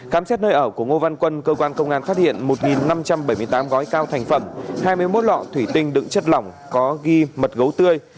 khám xét nơi ở của ngô văn quân cơ quan công an phát hiện một năm trăm bảy mươi tám gói cao thành phẩm hai mươi một lọ thủy tinh đựng chất lỏng có ghi mật gấu tươi